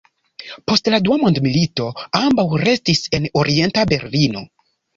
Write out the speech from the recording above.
Post la Dua mondmilito ambaŭ restis en Orienta Berlino.